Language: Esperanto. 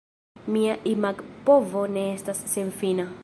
Mia imagpovo ne estas senfina.